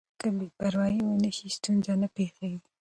که بې پروايي ونه شي ستونزه نه پېښېږي.